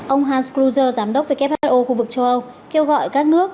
ông hans kuzer giám đốc who khu vực châu âu kêu gọi các nước